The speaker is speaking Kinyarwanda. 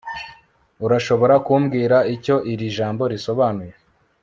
urashobora kumbwira icyo iri jambo risobanura